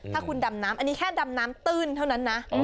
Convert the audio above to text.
ถ้าคุณดำน้ำอันนี้แค่ดำน้ำตื้นเท่านั้นนะ